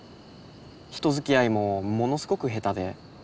人づきあいもものすごく下手で。